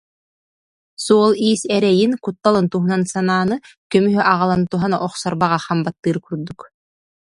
Суол-иис эрэйин, кутталын туһунан санааны көмүһү аҕалан туһана охсор баҕа хам баттыыр курдук